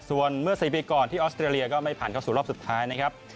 ส่วนเมื่อ๔ปีก่อนที่ออสเตรเลียก็ไม่ผ่านเข้าสู่รอบสุดท้ายนะครับ